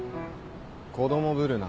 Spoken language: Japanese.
子供ぶるな。